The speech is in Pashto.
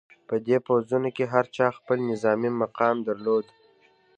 په دې پوځونو کې هر چا خپل نظامي مقام درلود.